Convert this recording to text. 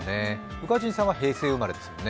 宇賀神さんは平成生まれですもんね。